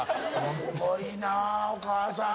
すごいなお母さん。